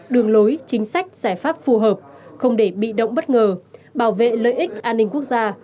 đường lối chính sách giải pháp phù hợp không để bị động bất ngờ bảo vệ lợi ích an ninh quốc gia